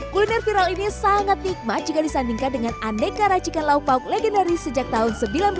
kuliner viral ini sangat nikmat jika disandingkan dengan aneka racikan lauk lauk legendaris sejak tahun seribu sembilan ratus sembilan puluh